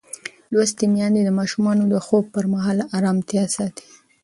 لوستې میندې د ماشومانو د خوب پر مهال ارامتیا ساتي.